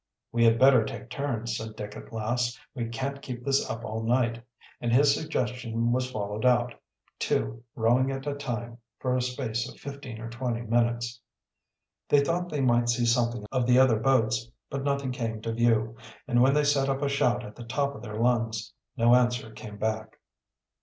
"We had better take turns," said Dick, at last. "We can't keep this up all night.." And his suggestion was followed out, two, rowing at a time, for a space of fifteen or twenty minutes. They thought they might see something of the other boats, but nothing came to view, and when they set up a shout at the top of their lungs, no answer came back.